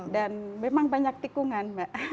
dan memang banyak tikungan